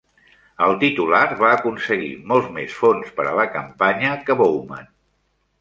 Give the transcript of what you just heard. El titular va aconseguir molts més fons per a la campanya que Bowman.